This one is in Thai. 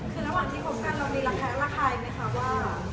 คือระหว่างที่พบกันเราได้รักษาอีกนะคะว่า